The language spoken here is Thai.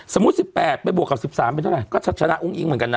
๑๘ไปบวกกับ๑๓เป็นเท่าไหร่ก็ชนะอุ้งอิ๊งเหมือนกันนะ